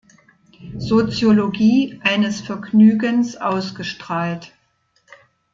Soziologie eines Vergnügens" ausgestrahlt.